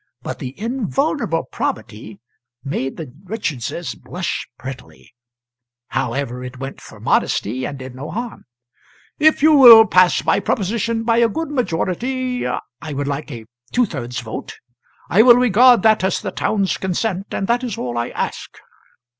But the "invulnerable probity" made the Richardses blush prettily; however, it went for modesty, and did no harm.] If you will pass my proposition by a good majority I would like a two thirds vote I will regard that as the town's consent, and that is all I ask.